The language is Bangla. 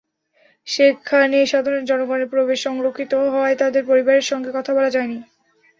সেখানে সাধারণ জনগণের প্রবেশ সংরক্ষিত হওয়ায় তাঁদের পরিবারের সঙ্গে কথা বলা যায়নি।